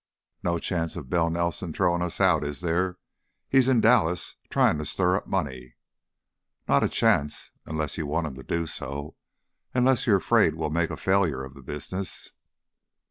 "No chance of Bell Nelson throwin' us out, is there? He's in Dallas tryin' to stir up money " "Not a chance, unless you want him to do so; unless you're afraid we'll make a failure of the business."